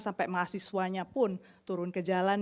sampai mahasiswanya pun turun ke jalan